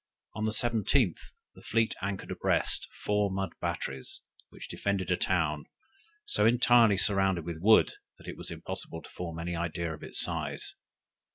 On the 17th, the fleet anchored abreast four mud batteries, which defended a town, so entirely surrounded with wood, that it was impossible to form any idea of its size.